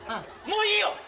もういいよ！